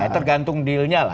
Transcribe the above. tergantung dealnya lah